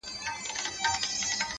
• سرلوړى مي دئ د قام او د زامنو,